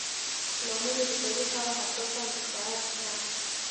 لامل یې د تاریخ هغه حساسه مقطعه وه.